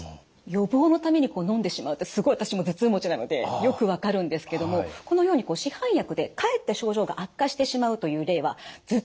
予防のためにのんでしまうってすごい私も頭痛持ちなのでよく分かるんですけどもこのように市販薬でかえって症状が悪化してしまうという例は頭痛以外にもあるんです。